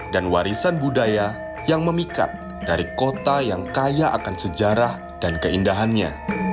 dan warisan budaya yang memikat dari kota yang kaya akan sejarah dan keindahannya